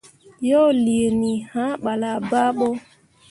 Yo liini, hã ɓala baaɓo.